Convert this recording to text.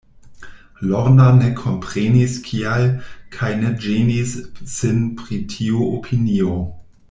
Lorna ne komprenis kial, kaj ne ĝenis sin pri tiu opinio.